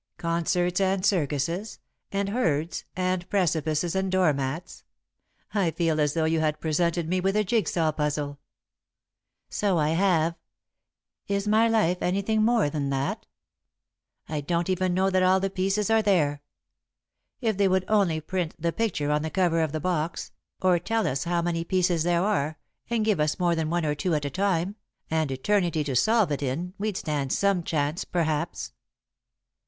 "Concerts and circuses, and herds, and precipices and door mats. I feel as though you had presented me with a jig saw puzzle." "So I have. Is my life anything more than that? I don't even know that all the pieces are there. If they would only print the picture on the cover of the box, or tell us how many pieces there are, and give us more than one or two at a time, and eternity to solve it in, we'd stand some chance, perhaps."